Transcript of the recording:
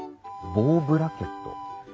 ボウブラケット？